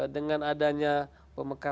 dengan adanya pemekanan